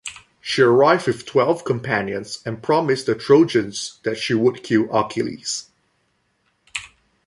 She arrived with twelve companions and promised the Trojans that she would kill Achilles.